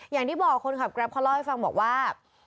อย่างที่บอกคนขับแกรปเขาเล่าให้ฟังบอกว่า